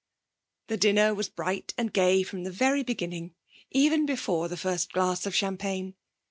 The dinner was bright and gay from the very beginning, even before the first glass of champagne.